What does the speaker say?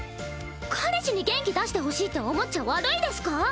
彼氏に元気出してほしいって思っちゃ悪いですか？